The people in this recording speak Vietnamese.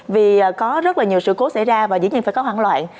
vì có rất là nhiều sự cố xảy ra và dĩ nhiên phải có hoảng loạn